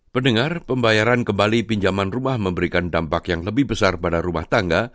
pendengar pembayaran kembali pinjaman rumah memberikan dampak yang lebih besar pada rumah tangga